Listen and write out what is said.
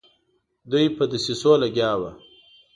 دوی په دسیسو لګیا وه.